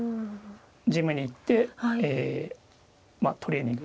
ジムに行ってまあトレーニング。